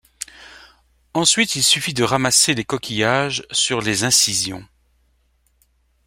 Ensuite il suffit de ramasser les coquillages sur les incisions.